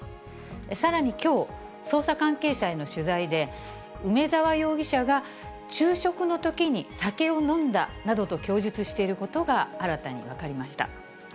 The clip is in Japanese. さらにきょう、捜査関係者への取材で、梅沢容疑者が昼食のときに酒を飲んだなどと供述していることが、新たに分かりました。